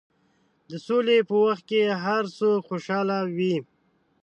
د سولې په وخت کې هر څوک خوشحاله وي.